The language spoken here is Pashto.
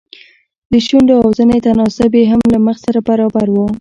د شونډو او زنې تناسب يې هم له مخ سره برابر و.